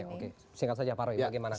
oke singkat saja pak roy bagaimana